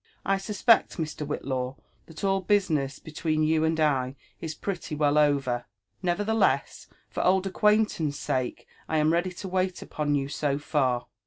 I suspect, Mr. Whillaw, Ih^t all business between you and I is pretty well over; nevertheless, for old acquaintance' sake, I am ready to wait upon you so far."